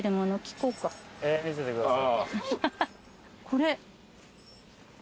これ。